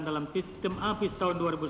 dalam sistem afiz tahun dua ribu sembilan belas